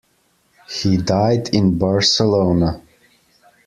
He died in Barcelona.